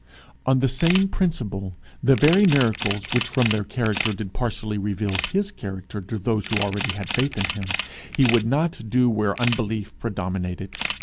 On the same principle, the very miracles which from their character did partially reveal his character to those who already had faith in him, he would not do where unbelief predominated.